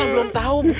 pak deh tunggu dulu